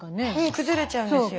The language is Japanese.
崩れちゃうんですよ。